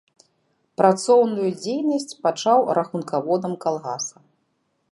Працоўную дзейнасць пачаў рахункаводам калгаса.